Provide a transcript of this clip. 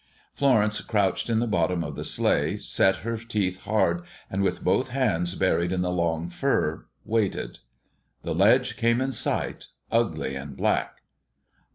Florence crouched in the bottom of the sleigh, set her teeth hard, and, with both hands buried in the long fur, waited. The ledge came in sight, ugly and black.